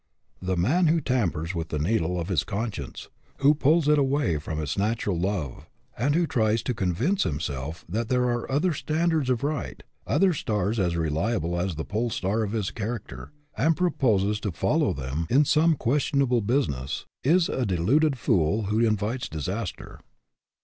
The man who tampers with the needle of his conscience, who pulls it away from its natural love, and who tries to convince himself that there are other standards of right, other stars as reliable as the pole star of his charac ter, and proposes to follow them in some ques 124 HAS YOUR VOCATION APPROVAL tionable business, is a deluded fool who invites disaster.